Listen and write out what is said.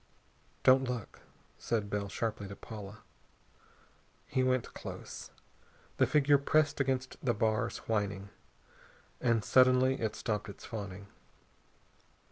"Don't look," said Bell sharply to Paula. He went close. The figure pressed against the bars, whining. And suddenly it stopped its fawning.